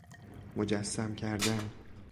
مجسم کردن